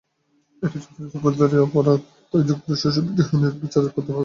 এটা যুক্তরাষ্ট্রে ফৌজদারি অপরাধ, তাই যুক্তরাষ্ট্রেও শফিক রেহমানের বিচার হতে পারে।